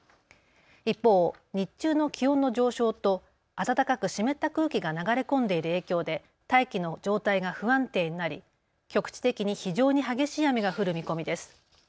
一方、日中の気温の上昇と暖かく湿った空気が流れ込んでいる影響で大気の状態が不安定になり局地的に非常に激しい雨が降る見込みです。